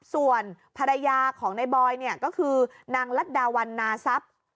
ส่วนภรรยาของในบอยก็คือนางลัดดาวันนาซับ